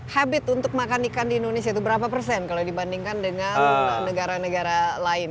habit untuk makan ikan di indonesia itu berapa persen kalau dibandingkan dengan negara negara lain